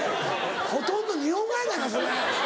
ほとんど日本語やないかそれ！